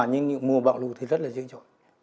nhưng mùa bạo lù thì rất là dữ dội